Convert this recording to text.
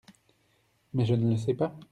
Mais je ne le sais pas !